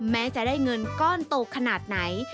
แม้จะได้เงินก้อนโตขนาดไหน